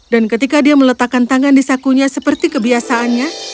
dan ketika dia meletakkan tangan di sakunya seperti kebiasaannya